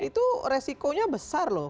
itu resikonya besar loh